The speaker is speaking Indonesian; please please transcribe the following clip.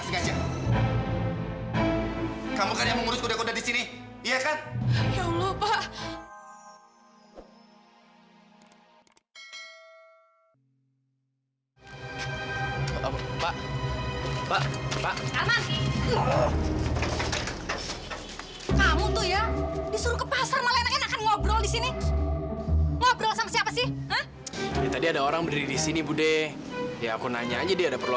sampai jumpa di video selanjutnya